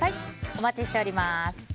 お待ちしております。